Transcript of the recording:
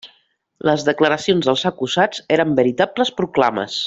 Les declaracions dels acusats eren veritables proclames.